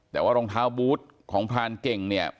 แต่ว่ารองเท้าบูธของพรานเก่งเนี่ย